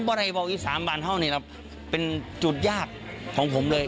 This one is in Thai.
บรรยาบาลอีสามบรรเท่านี้ครับเป็นจุดยากของผมเลย